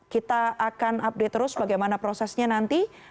kita akan update terus bagaimana prosesnya nanti